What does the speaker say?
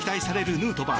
ヌートバー